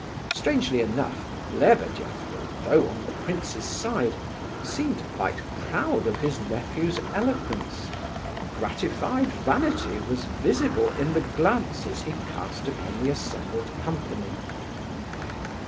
Strangely enough, Lebedeff, although on the prince's side, seemed quite proud of his nephew's eloquence. Gratified vanity was visible in the glances he cast upon the assembled company.